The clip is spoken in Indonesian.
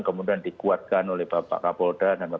kemudian dikuatkan oleh pak kapolda dan pak panggung